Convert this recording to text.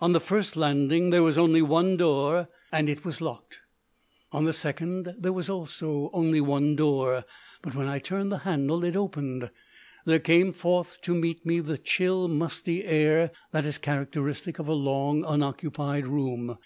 On the first landing there was only one door, and it was locked. On the second there was also only one door, but when I turned the handle it opened. There came forth to meet me the chill musty air that is characteristic of a long unoccupied room.